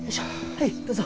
はいどうぞ。